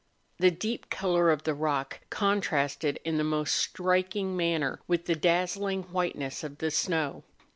The deep colour of the rock contrasted in the most striking manner with the dazzling white¬ ness of the snow.